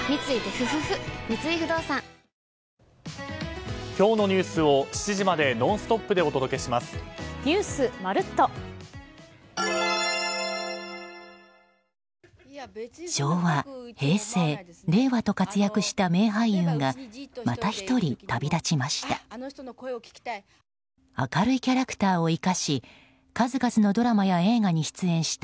三井不動産昭和、平成、令和と活躍した名俳優が、また１人旅立ちました。